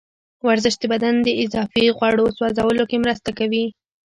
ورزش د بدن د اضافي غوړو سوځولو کې مرسته کوي.